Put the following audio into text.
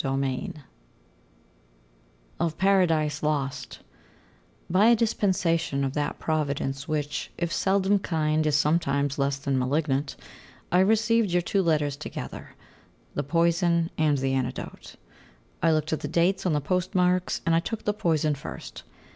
XXXVI OF PARADISE LOST By a dispensation of that Providence which, if seldom kind, is sometimes less than malignant, I received your two letters together the poison and the antidote. I looked at the dates on the postmarks, and I took the poison first.